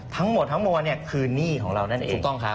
ทั้งหมดคือนี่ของเรานั่นเอง